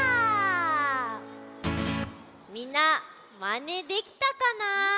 みんなまねできたかな？